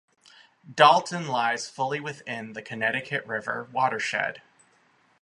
Dalton lies fully within the Connecticut River watershed.